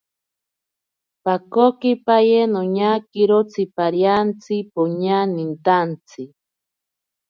Pakokipaye noñakiro tsipariantsi poña nintantsi.